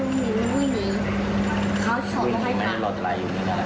เดี๋ยวก็เอากลับมาแล้ว